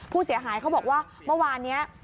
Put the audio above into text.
ผู้เสียหายเขาบอกว่าเมื่อวานนี้